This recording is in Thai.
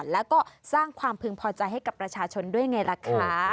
แล้วก็สร้างความพึงพอใจให้กับประชาชนด้วยไงล่ะคะ